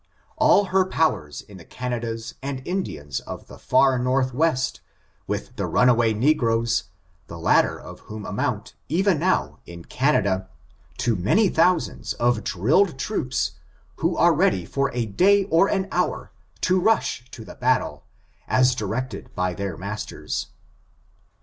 All her powers in the Canadas, the Indians of the far north west, with the runaway negroes, the latter of whom amount, even now, in Canada, to many thousands of drilled troops, who are ready for a day or an hour to rush to the battle, as directed by their masters.